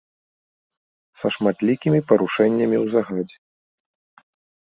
Са шматлікімі парушэннямі ў загадзе.